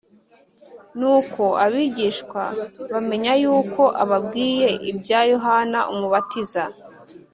Nuko abigishwa bamenya yuko ababwiye ibya Yohana Umubatiza.